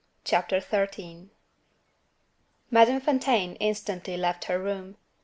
CHAPTER XIII Madame Fontaine instantly left her room.